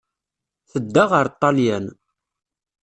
Tedda ɣer Ṭṭalyan.